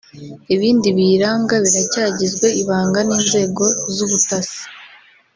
Ibindi biyiranga biracyagizwe ibanga n’inzego z’ubutasi